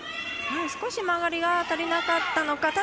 少し曲がりが足りなかったのか。